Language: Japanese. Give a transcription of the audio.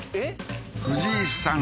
藤井さん